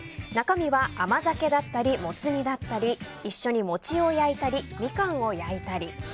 中身は甘酒だったりもつ煮だったり一緒に餅を焼いたりミカンを焼いたり。